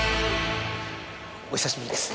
お久しぶりです